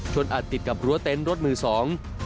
ชนอัดติดกับรั้วเต้นรถมือสอง